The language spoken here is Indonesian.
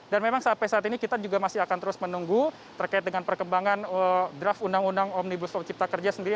dan memang sampai saat ini kita juga masih akan terus menunggu terkait dengan perkembangan draft undang undang omnibus law cipta kerja sendiri